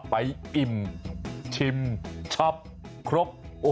อิ่มชิมชับครบ